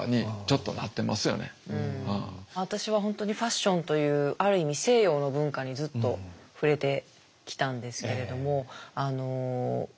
私は本当にファッションというある意味西洋の文化にずっと触れてきたんですけれども日本にはないものでしたよね。